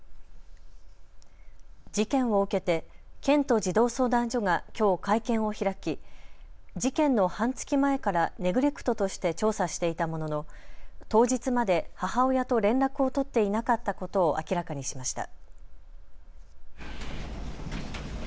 事件を受けて県と児童相談所がきょう会見を開き、事件の半月前からネグレクトとして調査していたものの当日まで母親と連絡を取っていなかったことを明らかにしました。